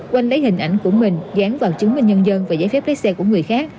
quanh lấy hình ảnh của mình dán vào chứng minh nhân dân và giấy phép lái xe của người khác